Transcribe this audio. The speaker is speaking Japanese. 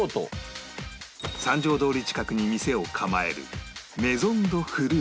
三条通近くに店を構える